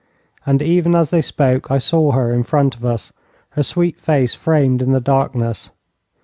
And even as they spoke I saw her in front of us, her sweet face framed in the darkness.